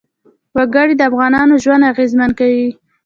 وګړي د افغانانو ژوند اغېزمن کوي.